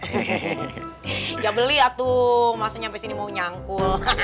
jangan beli ya tung maksudnya sampai sini mau nyangkul